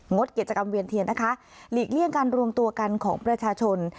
ดกิจกรรมเวียนเทียนนะคะหลีกเลี่ยงการรวมตัวกันของประชาชน